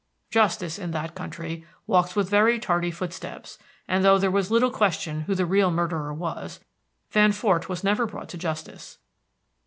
Justice in that country walks with very tardy footsteps, and though there was little question who the real murderer was, Van Fort was never brought to justice.